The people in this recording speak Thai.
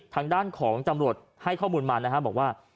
ทางด้านของตำรวจให้ข้อมูลมานะครับบอกว่า